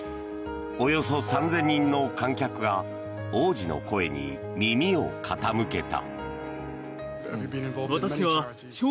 およそ３０００人の観客が王子の声に耳を傾けた。